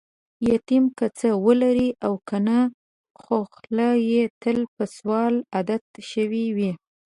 یتیم که څه ولري او کنه، خوخوله یې تل په سوال عادت شوې وي.